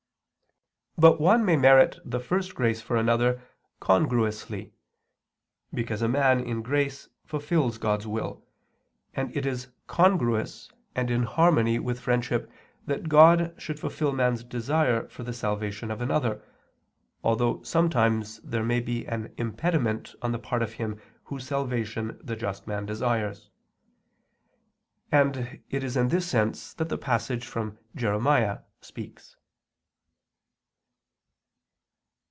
But one may merit the first grace for another congruously; because a man in grace fulfils God's will, and it is congruous and in harmony with friendship that God should fulfil man's desire for the salvation of another, although sometimes there may be an impediment on the part of him whose salvation the just man desires. And it is in this sense that the passage from Jeremias speaks.